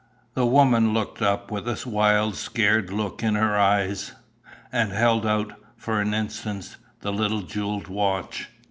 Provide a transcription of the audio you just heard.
The woman looked up with a wild scared look in her eyes, and held out, for an instant, the little jewelled watch.